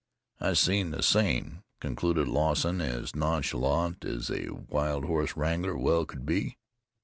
"I seen the same," concluded Lawson, as nonchalant as a wild horse wrangler well could be.